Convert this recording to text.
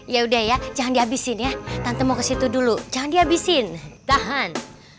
ya udah ya jangan dihabisin ya tante mau ke situ dulu jangan dihabisin tahan